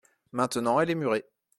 Maintenant elle est murée.